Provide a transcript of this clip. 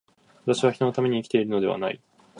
私は人のために生きているのではない。